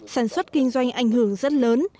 sản xuất kinh doanh ảnh hưởng rất lớn